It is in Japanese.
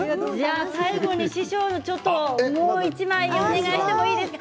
最後に師匠もう１枚お願いしていいですか？